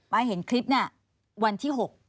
เห็นคลิปเนี่ยวันที่๖